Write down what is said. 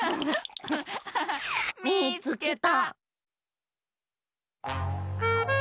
みいつけた！